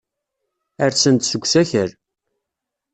Rsen-d seg usakal.